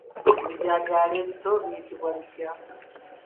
Ebijanjaalo ebito biyitibwa bitya?